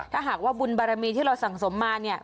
ถ้าหากว่าบุญบารมีที่เราสั่งสมมาเนี่ย